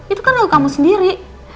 itu kan kalau kamu sendiri